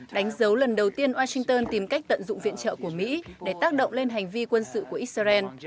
đánh dấu lần đầu tiên washington tìm cách tận dụng viện trợ của mỹ để tác động lên hành vi quân sự của israel